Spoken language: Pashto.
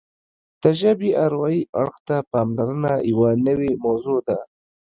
د ژبې اروايي اړخ ته پاملرنه یوه نوې موضوع ده